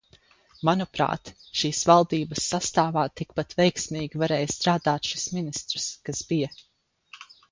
Manuprāt, šīs valdības sastāvā tikpat veiksmīgi varēja strādāt šis ministrs, kas bija.